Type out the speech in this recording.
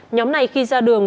nhóm này khi ra đường